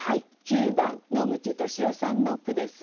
９番野口利夫さんの句です。